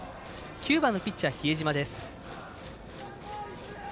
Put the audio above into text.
９番、ピッチャー比江島です。